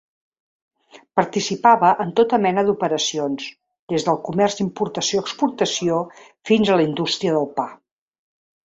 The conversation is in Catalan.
Participava en tota mena d'operacions, des del comerç d'importació-exportació fins a la indústria del pa.